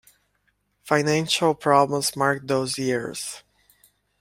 Financial problems marked those years.